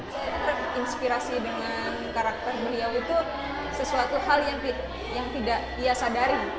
saya terinspirasi dengan karakter beliau itu sesuatu hal yang tidak ia sadari